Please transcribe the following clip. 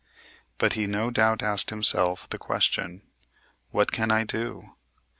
But he no doubt asked himself the question: "What can I do?"